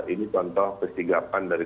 ini contoh persidgapan dari